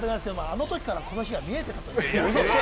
あの時からこの日が見えてきた。